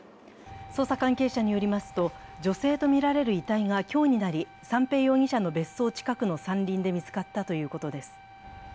捜査関係者によりますと女性とみられる遺体が今日になり三瓶容疑者の別荘近くの山林で見つかったということです。